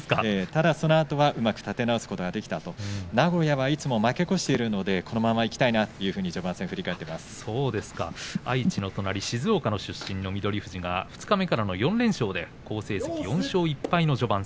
ただそのあとうまく立て直すことができた名古屋はいつも負けているのでこのままいきたいなと愛知の隣静岡出身の翠富士二日目から４連勝、４勝１敗の好成績です。